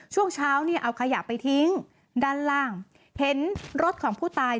ช่วงเช้าเนี่ยเอาขยะไปทิ้งด้านล่างเห็นรถของผู้ตาย